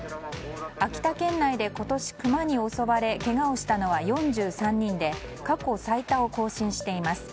秋田県内で今年、クマに襲われけがをしたのは４３人で過去最多を更新しています。